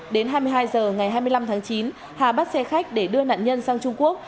đến hai mươi hai h ngày hai mươi năm tháng chín hà bắt xe khách để đưa nạn nhân sang trung quốc